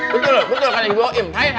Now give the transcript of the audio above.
betul kan yang gue im